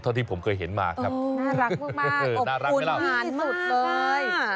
เท่าที่ผมเคยเห็นมาครับน่ารักมากขอบคุณที่สุดเลย